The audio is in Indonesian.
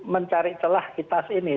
mencari telah itas ini